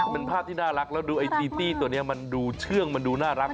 เป็นภาพที่น่ารักแล้วดูไอจีตี้ตัวนี้มันดูเชื่องมันดูน่ารัก